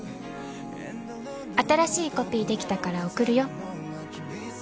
「新しいコピーできたから送るよ」